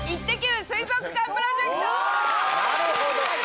なるほど！